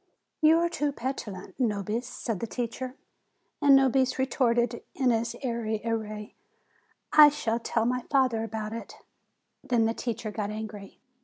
"You are too petulant, Nobis," said the teacher. And Nobis retorted, in his airy w r ay, "I shall tell my father about it." Then the teacher got angry.